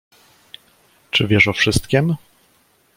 "Czy wiesz o wszystkiem?"